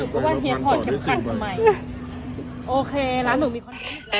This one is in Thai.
เพราะว่าเฮียพอร์ตเช็บข้างใหม่